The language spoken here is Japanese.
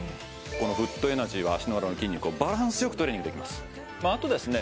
このフットエナジーは足の裏の筋肉をバランスよくトレーニングできますあとですね